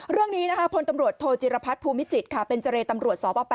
เรื่องนี้นะคะพลตำรวจโทจิรพัฒน์ภูมิจิตค่ะเป็นเจรตำรวจสป๘